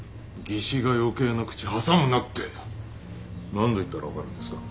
技師が余計な口挟むなって何度言ったら分かるんですか？